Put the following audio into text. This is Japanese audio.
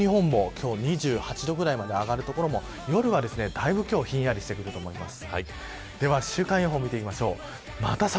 西日本も今日２８度ぐらいまで上がる所も夜は、だいぶひんやりしてくると思います。